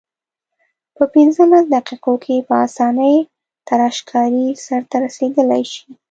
په پنځلس دقیقو کې په اسانۍ تراشکاري سرته رسیدلای شي.